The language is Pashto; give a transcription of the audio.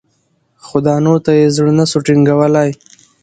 خو دانو ته یې زړه نه سو ټینګولای